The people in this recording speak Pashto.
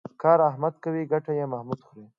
کار احمد کوي ګټه یې محمود خوري.